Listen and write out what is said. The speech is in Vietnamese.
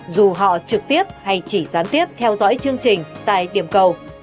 dù họ trực tiếp hay chỉ gián tiếp theo dõi chương trình tại điểm cầu